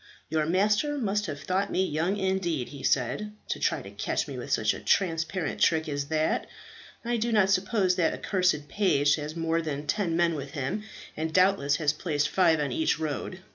"Your master must have thought me young indeed," he said, "to try and catch me with such a transparent trick as that. I do not suppose that accursed page has more than ten men with him, and doubtless has placed five on each road.